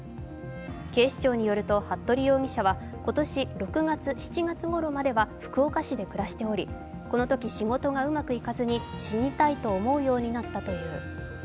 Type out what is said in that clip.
警視庁によると服部容疑者は今年６月、７月ごろまでは福岡市で暮らしており、このとき仕事がうまくいかずに死にたいと思うようになったという。